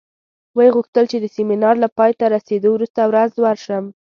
ویې غوښتل چې د سیمینار له پای ته رسېدو وروسته ورځ ورشم.